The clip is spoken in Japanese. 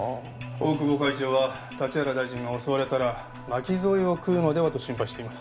大久保会長は立原大臣が襲われたら巻き添えを食うのではと心配しています。